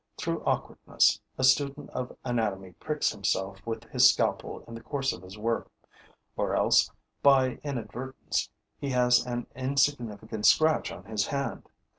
Through awkwardness, a student of anatomy pricks himself with his scalpel in the course of his work; or else, by inadvertence, he has an insignificant scratch on his hand.